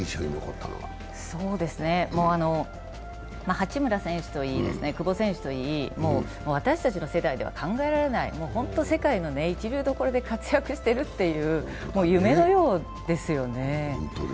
八村選手といい久保選手といい私たちの世代では考えられないほんと世界の一流どころで活躍してるっていう、夢のようですね。